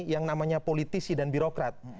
yang namanya politisi dan birokrat